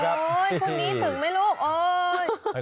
โอ๊ยพรุ่งนี้ถึงไหมลูกโอ๊ย